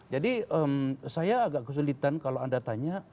jadi saya agak kesulitan kalau anda tanya